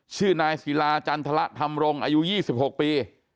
ชื่อนายศิลาจันทรธรรมรงค์อายุ๒๖ปี